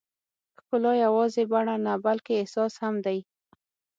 ښکلا یوازې بڼه نه، بلکې احساس هم دی.